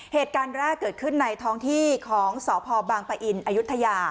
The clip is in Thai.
เหตุการณ์แรกเกิดขึ้นในท้องที่ของสพบางปะอินอายุทยา